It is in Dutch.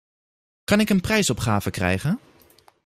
Kan ik een prijsopgave krijgen?